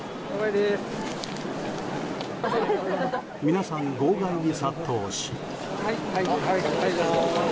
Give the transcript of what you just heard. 皆さん、号外に殺到し。